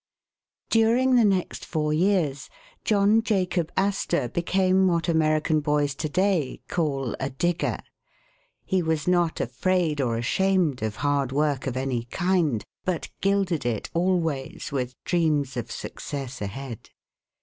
DURING the next four years, John Jacob Astoi became what American boys to day call a "dig ger." He was not afraid or ashamed of hard work of any kind, but gilded it always with dreams of success ahead.